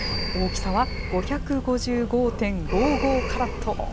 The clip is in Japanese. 大きさは５５５．５５カラット。